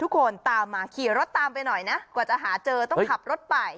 ก็ตามไปหน่อยนะกว่าจะหาเจอต้องขับรถไป